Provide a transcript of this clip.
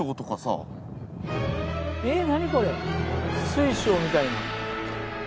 水晶みたいな。